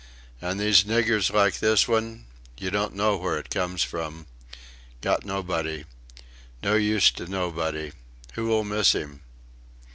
And these niggers like this one you don't know where it comes from. Got nobody. No use to nobody. Who will miss him?"